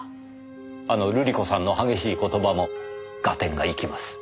あの瑠璃子さんの激しい言葉も合点がいきます。